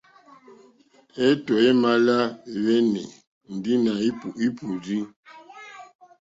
Étò é mà lá hwɛ́nɛ́ ndí nà è pùrzí.